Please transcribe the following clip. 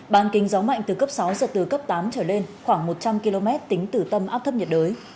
bàn kính gió mạnh từ cấp sáu giật từ cấp tám trở lên khoảng một trăm linh km tính từ tâm áp thấp nhiệt đới